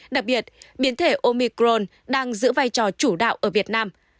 đặc biệt biến thể omicron đang giữ vai trò chủ đạo ở việt nam